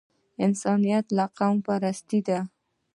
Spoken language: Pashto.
انسانیت له قوم پورته دی.